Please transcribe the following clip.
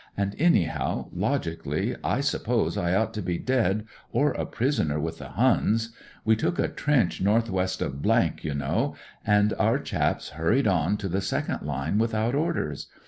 And, anyhow, logically, I suppose I ought to be dead or a prisoner with the Huns. We took a trench north west of , you know, and our chaps hurried on to the second line without orders.